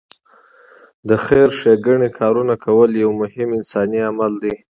د خېر ښېګڼې کارونه کول یو مهم انساني عمل دی.